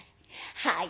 「はい。